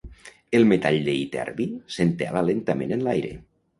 El metall de iterbi s'entela lentament en l'aire.